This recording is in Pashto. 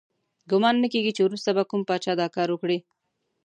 ګمان نه کیږي چې وروسته به کوم پاچا دا کار وکړي.